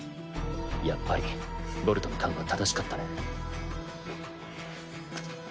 やっぱりボルトの勘は正しかったね。